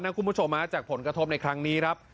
คุณผู้ชมจากผลกระทบในครั้งนี้ครับ